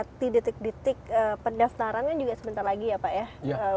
pada saat ini sudah mendekati detik detik pendaftarannya juga sebentar lagi ya pak ya